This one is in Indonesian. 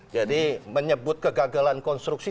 jadi menyebut kegagalan konstruksi